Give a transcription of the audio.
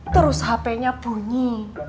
terus hp nya bunyi